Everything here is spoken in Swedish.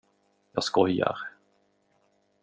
Jag skojar.